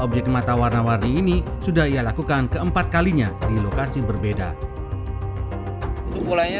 objek mata warna warni ini sudah ia lakukan keempat kalinya di lokasi berbeda itu mulainya